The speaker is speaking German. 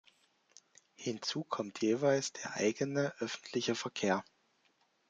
Hinzu kommt jeweils der eigene öffentliche Verkehr.